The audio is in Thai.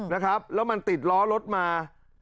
แล้วมันติดล้อรถมา